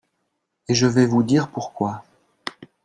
et je vais vous dire pourquoi.